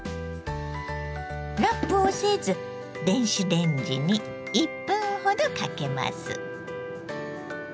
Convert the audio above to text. ラップをせず電子レンジに１分ほどかけます。